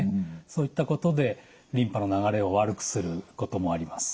そういったことでリンパの流れを悪くすることもあります。